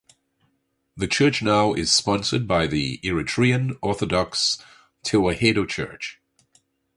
The church now is sponsored by the Eritrean Orthodox Tewahedo Church.